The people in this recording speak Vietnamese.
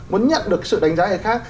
muốn nhận được sự đánh giá người khác